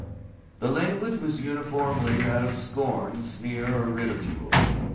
The language was uniformly that of scorn, sneer, or ridicule.